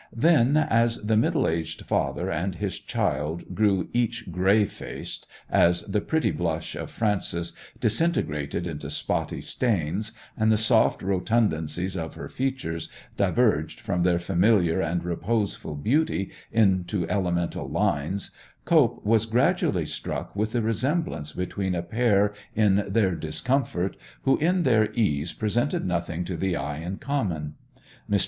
Then, as the middle aged father and his child grew each gray faced, as the pretty blush of Frances disintegrated into spotty stains, and the soft rotundities of her features diverged from their familiar and reposeful beauty into elemental lines, Cope was gradually struck with the resemblance between a pair in their discomfort who in their ease presented nothing to the eye in common. Mr.